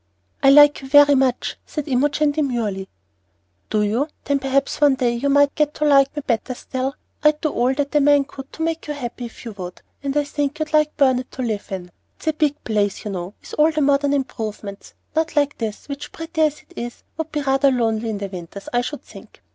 "I like you very much," said Imogen, demurely. "Do you? Then perhaps one day you might get to like me better still. I'd do all that a man could to make you happy if you would, and I think you'd like Burnet to live in. It's a big place, you know, with all the modern improvements, not like this, which, pretty as it is, would be rather lonely in the winters, I should think.